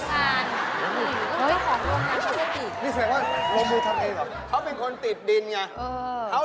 เห้ยคิดว่าเขาเป็นของโรงงานพลาสติกก่อนอีกครับนี่เสียงว่า